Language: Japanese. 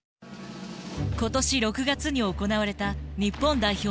今年６月に行われた日本代表の強化合宿。